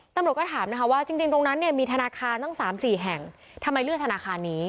ตำรวจก็ถามนะคะว่าจริงตรงนั้นเนี่ยมีธนาคารตั้ง๓๔แห่งทำไมเลือกธนาคารนี้